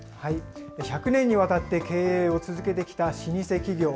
１００年にわたって経営を続けてきた老舗企業。